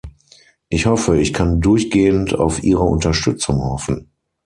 Ich hoffe, ich kann durchgehend auf Ihre Unterstützung hoffen.